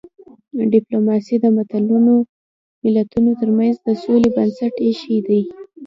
ډيپلوماسي د ملتونو ترمنځ د سولې بنسټ ایښی دی.